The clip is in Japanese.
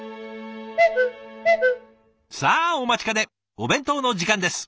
さあお待ちかねお弁当の時間です。